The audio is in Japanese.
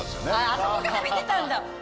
あそこから見てたんだ。